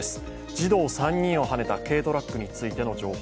児童３人をはねた軽トラックについての情報。